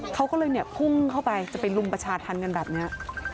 เขาก็เลยเนี่ยพุ่งเข้าไปจะไปลุมประชาธรรมกันแบบนี้